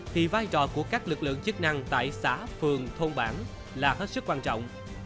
thì vai trò của các lực lượng chức năng tại xã phường thôn bản là hết sức quan trọng